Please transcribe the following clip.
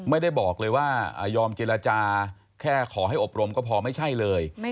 ไม่ได้บอกเลยว่ายอมเจรจาแค่ขอให้อบรมก็พอไม่ใช่เลย